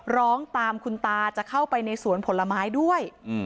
ร้องตามคุณตาจะเข้าไปในสวนผลไม้ด้วย